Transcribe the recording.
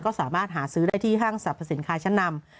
ก็สามารถหาซื้อได้ที่ห้างสรรพสินค้าชั้นนำ